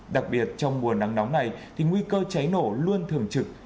đặc biệt trong mùa nắng nóng này thì nguy cơ cháy nổ luôn thường trực